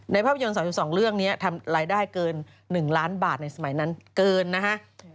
ภาพยนตร์๓๒เรื่องนี้ทำรายได้เกิน๑ล้านบาทในสมัยนั้นเกินนะฮะ